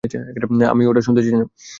আমি ওটা শুনতে চাই না।